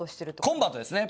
コンバートですね。